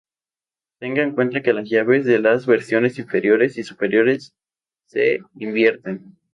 Tenga en cuenta que las llaves de las versiones inferiores y superiores se invierten.